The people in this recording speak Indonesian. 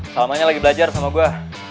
selamanya lagi belajar sama gue